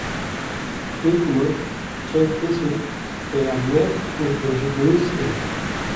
Bêguman çend kesên peyamnêr û qunciknivîs hene